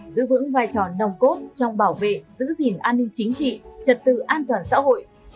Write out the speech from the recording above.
giữ vững vai trò nòng cốt trong bảo vệ giữ gìn an ninh chính trị trật tự an toàn xã hội